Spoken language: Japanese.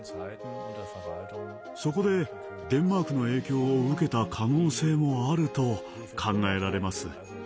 そこでデンマークの影響を受けた可能性もあると考えられます。